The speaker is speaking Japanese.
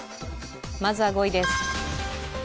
まずは５位です。